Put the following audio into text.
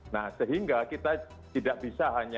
nah sehingga kita tidak bisa hanya